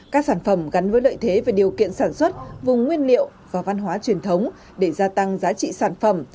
các sản phẩm gắn với lợi thế về điều kiện sản xuất vùng nguyên liệu và văn hóa truyền thống để gia tăng giá trị sản phẩm